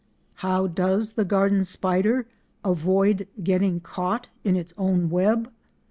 How does the garden spider avoid getting caught in its own web?